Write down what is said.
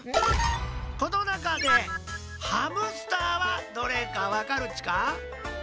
このなかでハムスターはどれかわかるっちか？